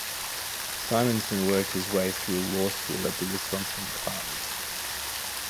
Simonson worked his way through law school at the Wisconsin Dept.